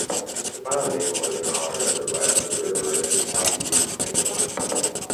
The final name was in honour of the river in South East England.